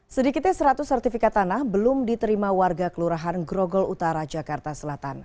sedikitnya seratus sertifikat tanah belum diterima warga kelurahan grogol utara jakarta selatan